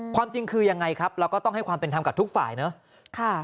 ความจริงคือยังไงครับเราก็ต้องให้ความเป็นธรรมกับทุกฝ่ายเนอะ